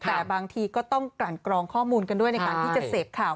แต่บางทีก็ต้องกลั่นกรองข้อมูลกันด้วยในการที่จะเสพข่าว